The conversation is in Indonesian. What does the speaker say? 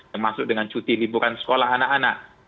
termasuk dengan cuti liburan sekolah anak anak